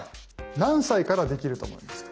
何歳からできると思いますか？